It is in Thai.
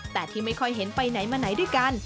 แต่ที่ไม่ค่อยเห็นไปไหนมาไหนด้วยกัน